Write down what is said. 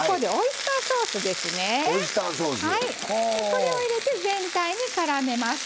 これを入れて全体にからめます。